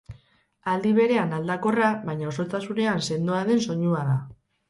Aldi berean aldakorra baina osotasunean sendoa den soinua da.